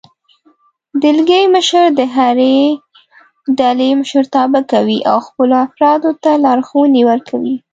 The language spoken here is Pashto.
دلګی مشر د هرې ډلې مشرتابه کوي او خپلو افرادو ته لارښوونې ورکوي.